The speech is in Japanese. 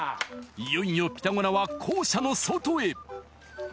いよいよピタゴラは校舎の外へ！